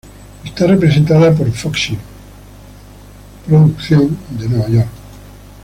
Está representada por Foxy Production de Nueva York.